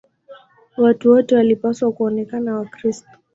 Watu wote walipaswa kuonekana Wakristo.